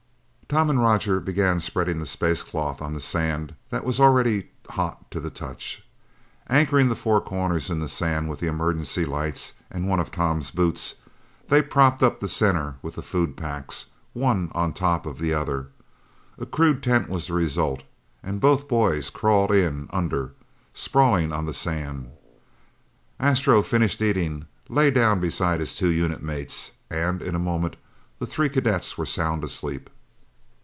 Tom and Roger began spreading the space cloth on the sand that was already hot to the touch. Anchoring the four corners in the sand with the emergency lights and one of Tom's boots, they propped up the center with the food packs, one on top of the other. A crude tent was the result and both boys crawled in under, sprawling on the sand. Astro finished eating, lay down beside his two unit mates, and in a moment the three cadets were sound asleep.